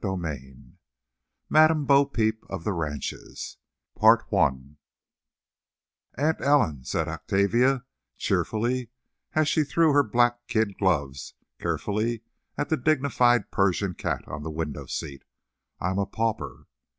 XXIV MADAME BO PEEP, OF THE RANCHES "Aunt Ellen," said Octavia, cheerfully, as she threw her black kid gloves carefully at the dignified Persian cat on the window seat, "I'm a pauper."